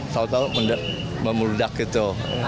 tau tau memudak gitu